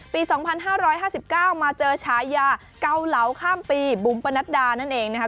ปี๒๕๕๙มาเจอฉายาเกาเหลาข้ามปีบุ๋มปนัดดานั่นเองนะคะ